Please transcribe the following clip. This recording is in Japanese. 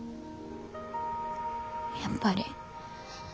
やっぱり。